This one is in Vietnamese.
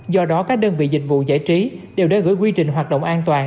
do đó các đơn vị dịch vụ giải trí đều đã gửi quy trình hoạt động an toàn